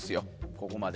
ここまで。